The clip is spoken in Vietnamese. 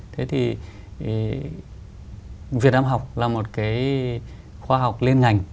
thế thì việt nam học là một cái khoa học liên ngành